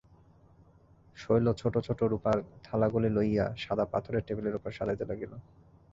শৈল ছোটো ছোটো রুপার থালাগুলি লইয়া সাদা পাথরের টেবিলের উপর সাজাইতে লাগিল।